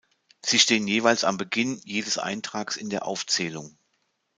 Sie stehen jeweils am Beginn jedes Eintrags in der Aufzählung.